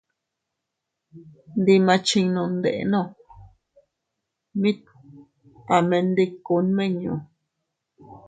Ndi ma chinno ndenno, mit a mendiku nmiñu.